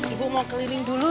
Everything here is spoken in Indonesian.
ibu mau keliling dulu